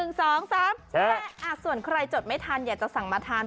ส่วนใครจดไม่ทันอยากจะสั่งมาทาน